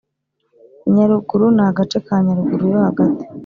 Inyaruguru Ni agace ka Nyaruguru yo hagati